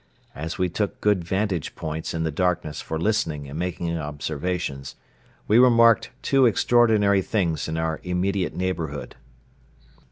As we took good vantage points in the darkness for listening and making observations, we remarked two extraordinary things in our immediate neighborhood.